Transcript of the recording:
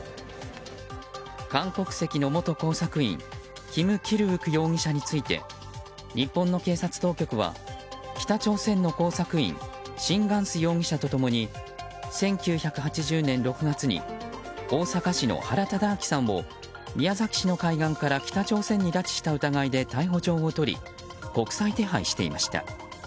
韓国籍の元工作員キム・キルウク容疑者について日本の警察当局は北朝鮮の工作員シン・グァンス容疑者と共に１９８０年６月に大阪市の原敕晁さんを宮崎市の海岸から北朝鮮に拉致した疑いで逮捕状を取り国際手配していました。